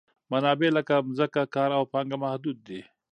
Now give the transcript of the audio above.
منابع لکه ځمکه، کار او پانګه محدود دي.